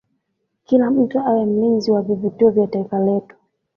kila mtu awe mlinzi wa vivutio vya taifa letu